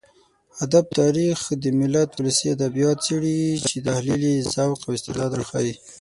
ادب تاريخ د ملت ولسي ادبيات څېړي چې تحليل يې ذوق او استعداد راښيي.